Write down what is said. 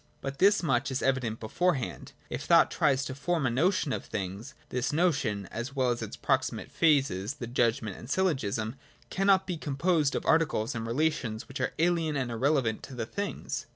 But this much is evident beforehand. If thought tries to form a notion of things, this notion (as well as its proximate phases, the judgment and syllogism) cannot be composed of articles and relations which are alien and irrelevant to the things.